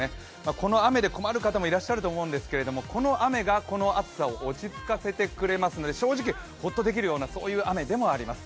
この雨で困る方もいらっしゃると思うんですけど、この雨がこの暑さを落ち着かせてくれますので、正直、ほっとできるようなそういう雨でもあります。